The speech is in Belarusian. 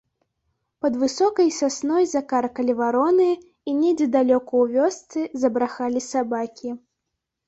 Пад высокай сасной закаркалі вароны, і недзе далёка ў вёсцы забрахалі сабакі.